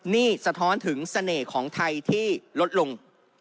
นี่สะท้อนถึงเสน่ห์ของไทยที่ลดลง